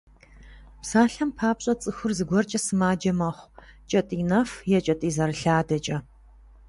Псалъэм папщӏэ, цӏыхур зыгуэркӏэ сымаджэ мэхъу: кӏэтӏий нэф е кӏэтӏий зэрылъадэкӏэ.